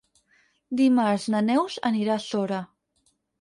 Dimarts na Neus anirà a Sora.